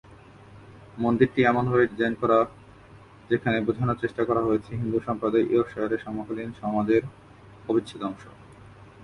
মন্দিরটি এমন ভাবে ডিজাইন করা যেখানে বোঝানোর চেষ্টা করা হয়েছে হিন্দু সম্প্রদায় ইয়র্কশায়ারের সমকালীন সমাজের অবিচ্ছেদ্য অংশ।